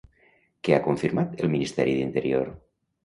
Què ha confirmat el Ministeri d'Interior?